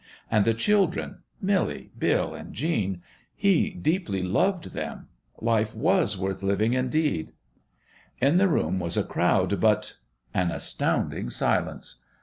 And the children Milly, Bill, and Jean he deeply loved them. Life was worth living indeed! In the room was a crowd, but an astounding silence.